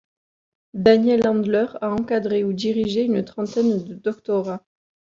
Daniel Andler a encadré ou dirigé une trentaine de doctorats.